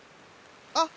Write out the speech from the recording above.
あっ！